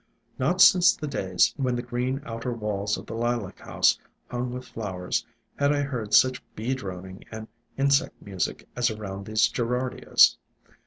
Not since the days when the green outer walls of the Lilac House hung with flowers had I heard 122 IN SILENT WOODS such bee droning and insect music as around these Gerardias.